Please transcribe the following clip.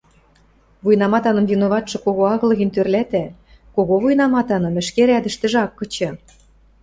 Вуйнаматаным виноватшы кого агыл гӹнь, тӧрлӓтӓ; кого вуйнаматаным ӹшке рӓдӹштӹжӹ ак кычы.